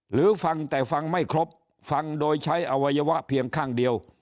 หรือฟังแต่ฟังไม่ครบฟังโดยใช้อวัยวะเพียงข้างเดียว